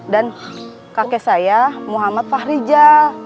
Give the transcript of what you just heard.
dan kakek saya muhammad fahrija